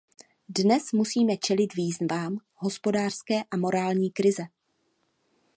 Dnes musíme čelit výzvám hospodářské a morální krize.